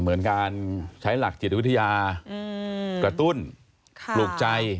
เหมือนการใช้หลักจิตวิทยากระตุ้นปลูกใจ